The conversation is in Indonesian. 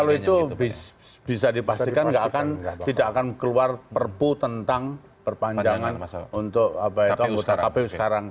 kalau itu bisa dipastikan tidak akan keluar perpu tentang perpanjangan untuk anggota kpu sekarang